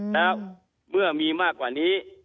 แล้วเมื่อมีมากกว่านี้